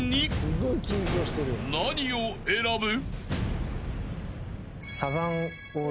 ［何を選ぶ？］